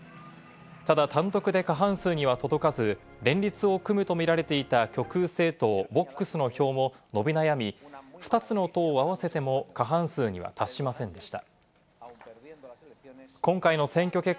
ただ単独で過半数には届かず、連立を組むと見られていた極右政党・ボックスの票も伸び悩み、２つの党を合わせても過半数には達しませんでした。